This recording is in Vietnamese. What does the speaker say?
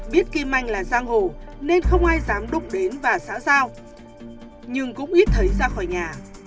biết kim anh là giang hồ nên không ai dám đụng đến và xã giao nhưng cũng ít thấy ra khỏi nhà